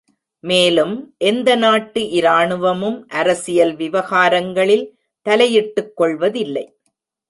மேலும், எந்த நாட்டு இராணுவமும் அரசியல் விவகாரங்களில் தலையிட்டுக் கொள்வதில்லை.